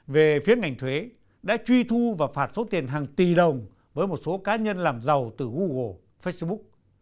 về phía ngành thuế đã truy thu và phạt số tiền hàng tỷ đồng với một số cá nhân làm giàu từ google facebook